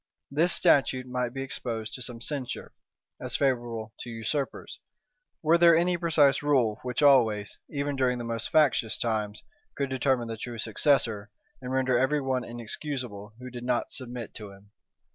This statute might be exposed to some censure, as favorable to usurpers; were there any precise rule, which always, even during the most factious times, could determine the true successor, and render every one inexcusable who did not submit to him.